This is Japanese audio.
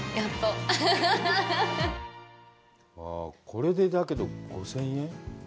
これで、だけど、５０００円？